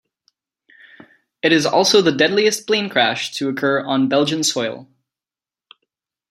It is also the deadliest plane crash to occur on Belgian soil.